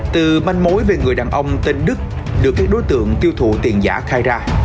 từ manh mối về người đàn ông tên đức được các đối tượng tiêu thụ tiền giả khai ra